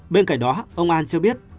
bên cạnh đó ông an cho biết